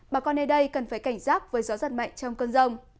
bà con ở đây cần phải cảnh giác với gió giật mạnh